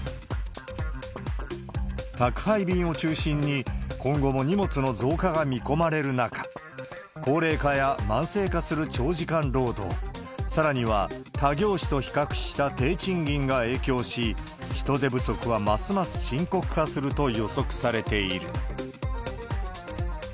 宅配便を中心に、今後も荷物の増加が見込まれる中、高齢化や慢性化する長時間労働、さらには他業種と比較した低賃金が影響し、人手不足はますます深刻化すると予測されている。